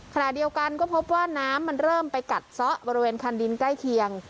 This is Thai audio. ขณะเดียวกันก็พบว่าน้ำมันเริ่มไปกัดซะบริเวณคันดินใกล้เคียง